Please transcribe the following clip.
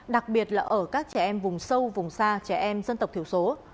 đặc biệt là ở các trẻ em vùng sâu vùng xa trẻ em dân tộc thiểu số